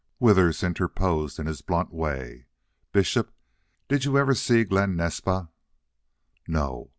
Withers interposed in his blunt way, "Bishop, did you ever see Glen Naspa?" "No."